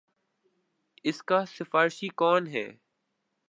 اس کا سفارشی کون ہے۔